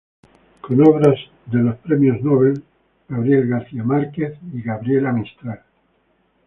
Con obras de los premios nobel de Gabriel García Márquez y Mario Vargas Llosa.